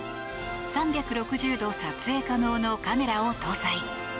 ３６０度撮影可能のカメラを搭載。